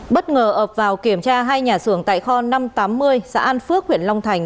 bất ngờ ập vào kiểm tra hai nhà xưởng tại kho năm trăm tám mươi xã an phước huyện long thành